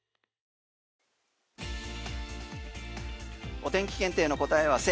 お天気検定の答え合わせ